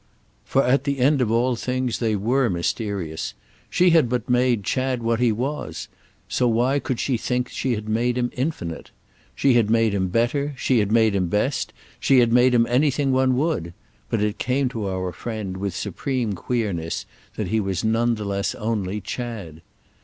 For at the end of all things they were mysterious: she had but made Chad what he was—so why could she think she had made him infinite? She had made him better, she had made him best, she had made him anything one would; but it came to our friend with supreme queerness that he was none the less only Chad.